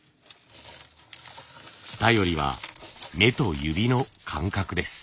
頼りは目と指の感覚です。